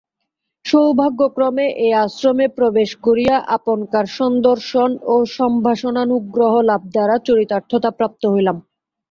সৌভাগ্যক্রমে এই আশ্রমে প্রবেশ করিয়া আপনকার সন্দর্শন ও সম্ভাষণানুগ্রহ লাভ দ্বারা চরিতার্থতা প্রাপ্ত হইলাম।